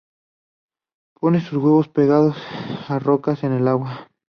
Pone sus huevos pegados a rocas en el agua.